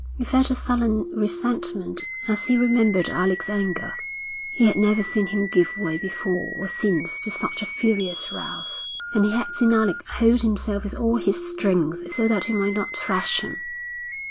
He felt a sullen resentment as he remembered Alec's anger. He had never seen him give way before or since to such a furious wrath, and he had seen Alec hold himself with all his strength so that he might not thrash him.